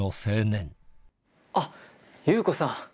あっ裕子さん。